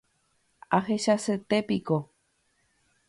Ahechasete piko.